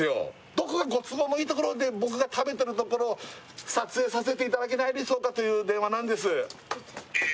どこかご都合のいいところで僕が食べているところを撮影させていただけないでしょうか？という電話なんです